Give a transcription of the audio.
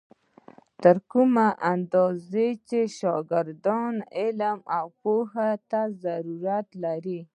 تر کومې اندازې چې شاګردان علم او پوهې ته ضرورت لري.